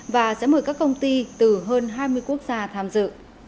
và sẽ mời các công ty từ hơn hai mươi quốc gia tham dự